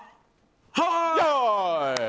はい！